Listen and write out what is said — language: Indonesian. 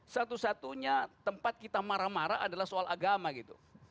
satu satunya tempat kita marah marah adalah soal agama gitu